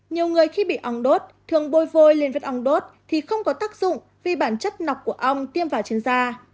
nhiều người khi bị ong đốt thường bôi vôi lên vết ong đốt thì không có tác dụng vì bản chất nọc của ong tiêm vào trên da